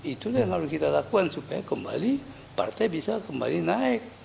itulah yang harus kita lakukan supaya kembali partai bisa kembali naik